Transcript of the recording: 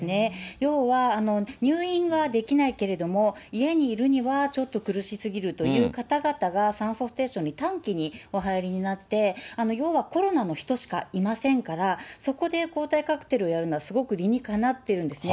要は入院ができないけれども、家にいるにはちょっと苦しすぎるという方々が酸素ステーションに短期にお入りになって、要はコロナの人しかいませんから、そこで抗体カクテルをやるのはすごく理にかなっているんですね。